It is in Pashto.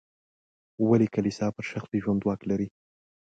ولې کلیسا پر شخصي ژوند واک لري.